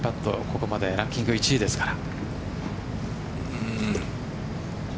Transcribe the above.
ここまでランキング１位ですから。